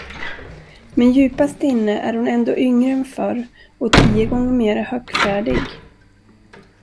Men djupast inne är hon ändå yngre än förr och tio gånger mera högfärdig.